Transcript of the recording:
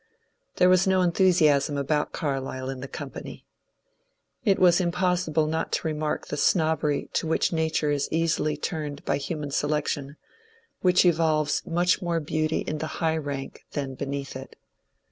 There was no enthusiasm about Carlyle in the company. It was impossible not to remark the snobbery to which nature is easily turned by human selection, which evolves much more beauty in the high rank than beneath it.